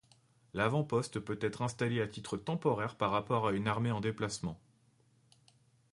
L'avant-poste peut être installé à titre temporaire par rapport à une armée en déplacement.